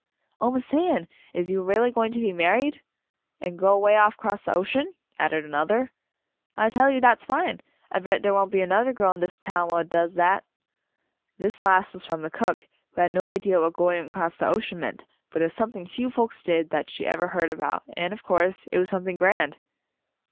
"Oh, Miss Anne, is you really going to be married?" "An' go 'way off 'cross the ocean?" added another. "I tell you dat's fine! I bet der won't be anudder girl in dis town what does datl" This last was from the cook, who had no idea what going across the ocean meant, but it was something few folks did that she ever heard about, and, of course, it was something grand!